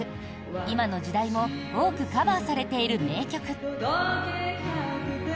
今の時代も多くカバーされている名曲。